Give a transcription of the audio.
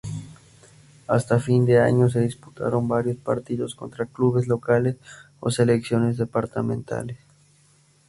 Hasta fin de año, se disputaron varios partidos contra clubes locales o selecciones departamentales.